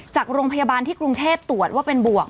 จากโรงพยาบาลที่กรุงเทพตรวจว่าเป็นบวก